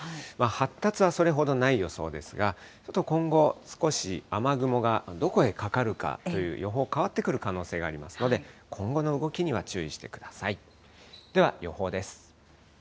発達はそれほどない予想ですが、ちょっと今後、少し、雨雲がどこへかかるかという予報、変わってくる可能性がありますので、今後の動きには注意してください。